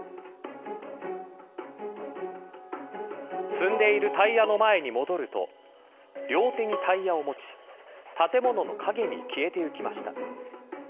積んでいるタイヤの前に戻ると両手にタイヤを持ち建物の陰に消えていきました。